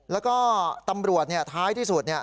แล้วก็ตำรวจเนี่ยท้ายที่สุดเนี่ย